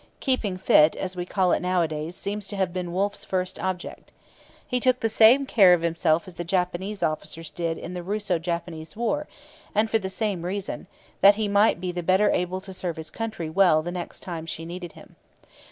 Keeping fit, as we call it nowadays, seems to have been Wolfe's first object. He took the same care of himself as the Japanese officers did in the Russo Japanese War; and for the same reason, that he might be the better able to serve his country well the next time she needed him.